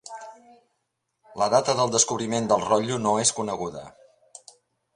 La data del descobriment del rotllo no és coneguda.